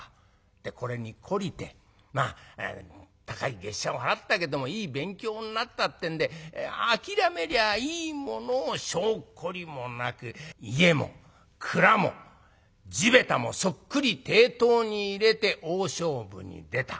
でこれに懲りてまあ高い月謝を払ったけどもいい勉強になったってんで諦めりゃいいものを性懲りもなく家も蔵も地べたもそっくり抵当に入れて大勝負に出た。